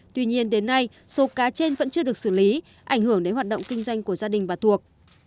tuy nhiên đến nay số cá trên vẫn chưa được xử lý ảnh hưởng đến hoạt động kinh doanh của gia đình bà thuộc